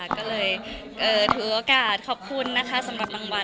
ก็เลยถือโอกาสขอบคุณนะคะสำหรับรางวัล